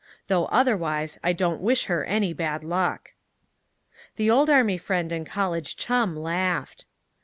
Though otherwise I don't wish her any bad luck!" The old army friend and college chum laughed.